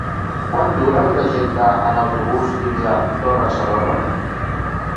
Quant dura el trajecte en autobús fins a Torre-serona?